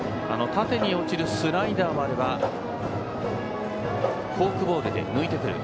縦に落ちるスライダーもあればフォークボールで抜いてくる。